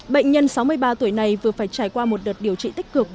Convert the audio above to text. bệnh nhân sáu mươi ba tuổi này vừa phải trải qua một đợt điều trị tích cực